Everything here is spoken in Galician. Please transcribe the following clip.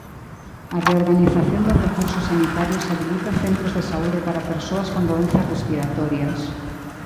A reorganización dos recursos sanitarios habilita centros de saúde para persoas con doenzas respiratorias.